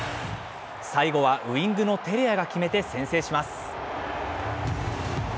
最後はウイングのテレアが決めて先制します。